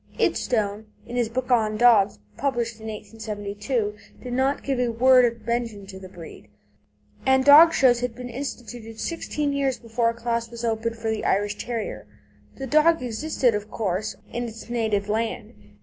Idstone, in his book on dogs, published in 1872 did not give a word of mention to the breed, and dog shows had been instituted sixteen years before a class was opened for the Irish Terrier. The dog existed, of course, in its native land.